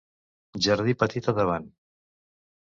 Jardí petit a davant.